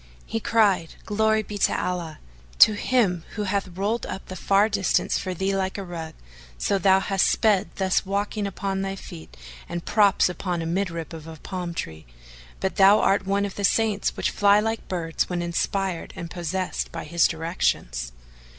He cried, "Glory be to Allah! to Him who hath rolled up the far distance for thee like a rug, so that thou hast sped thus walking upon thy feet and props upon a mid rib of palm tree! But thou art one of the saints which fly like birds when inspired and possessed by His directions."